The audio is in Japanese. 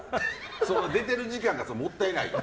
出てる時間がもったいない。